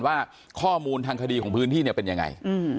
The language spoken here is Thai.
ว่าข้อมูลทางคดีของพื้นที่เนี่ยเป็นยังไง